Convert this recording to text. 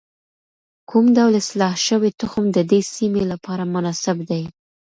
کوم ډول اصلاح شوی تخم د دې سیمې لپاره مناسب دی؟